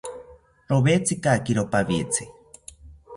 Rowetzikakiro pawitzi